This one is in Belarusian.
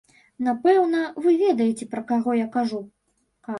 Напэўна, вы ведаеце, пра каго я кажу.